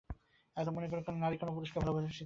এবার মনে করো কোন নারী কোন পুরুষকে ভালবাসিতেছে।